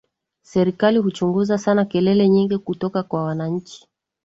Serikali huchunguza sana kelele nyingi kutoka kwa wananchi.